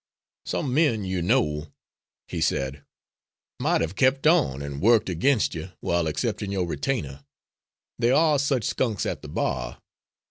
"Some men, you know," he said, "might have kept on, and worked against you, while accepting your retainer; there are such skunks at the bar."